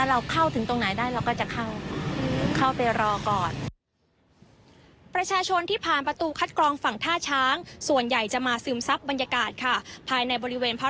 เราเข้าถึงตรงไหนได้เราก็จะเข้าไปรอก่อน